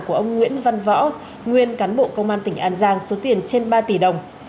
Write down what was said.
của ông nguyễn văn võ nguyên cán bộ công an tỉnh an giang số tiền trên ba tỷ đồng